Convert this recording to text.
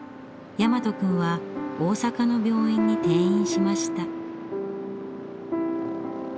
大和君は大阪の病院に転院しました。